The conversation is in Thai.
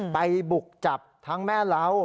ไปบุกจับทั้งแม่เล้า